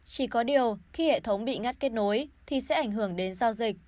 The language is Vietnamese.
chỉ có điều khi hệ thống bị ngắt kết nối thì sẽ ảnh hưởng đến giao dịch